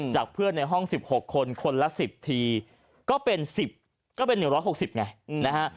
เพื่อนในห้อง๑๖คนคนละ๑๐ทีก็เป็น๑๐ก็เป็น๑๖๐ไงนะฮะ